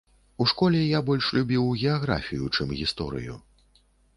У школе я больш любіў геаграфію, чым гісторыю.